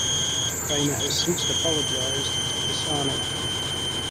Cramer has since apologized to Pisani.